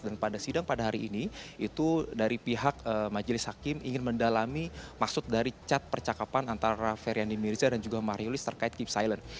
dan pada sidang pada hari ini itu dari pihak majelis hakim ingin mendalami maksud dari cat percakapan antara feryandi mirza dan juga mariulis terkait keep silent